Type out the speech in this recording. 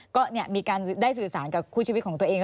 ก็มีการได้สื่อสารกับคู่ชีวิตของตัวเอง